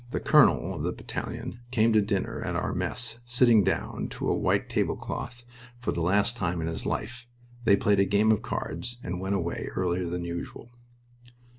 The colonel of the battalion came to dinner at our mess, sitting down to a white tablecloth for the last time in his life. They played a game of cards, and went away earlier than usual.